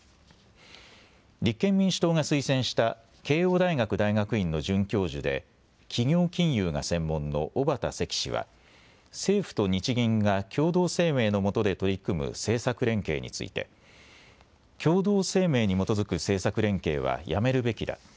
立憲民主党が推薦した慶應大学大学院の准教授で企業金融が専門の小幡績氏は政府と日銀が共同声明のもとで取り組む政策連携について共同声明に基づく政策連携はやめるべきだ。